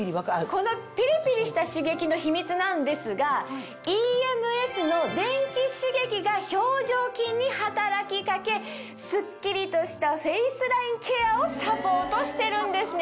このピリピリした刺激の秘密なんですがＥＭＳの電気刺激が表情筋に働き掛けスッキリとしたフェイスラインケアをサポートしてるんですね